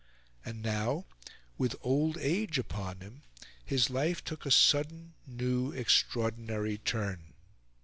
And now, with old age upon him, his life took a sudden, new, extraordinary turn.